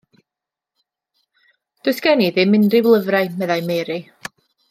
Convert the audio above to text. Does gen i ddim unrhyw lyfrau, meddai Mary.